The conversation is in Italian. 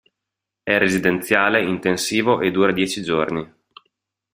È residenziale, intensivo e dura dieci giorni.